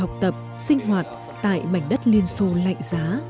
học tập sinh hoạt tại mảnh đất liên xô lạnh giá